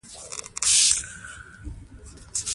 خاص تاته مونږ عبادت کوو، او خاص له نه مرسته غواړو